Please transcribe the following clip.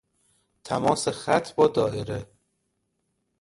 تماس خط با دائره